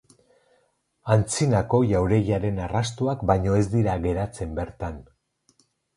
Antzinako jauregiaren arrastoak baino ez dira geratzen bertan.